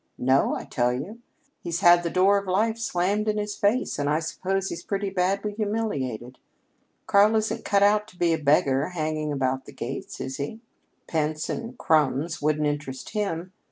"No, I tell you. He's had the Door of Life slammed in his face, and I suppose he's pretty badly humiliated. Karl isn't cut out to be a beggar hanging about the gates, is he? Pence and crumbs wouldn't interest him.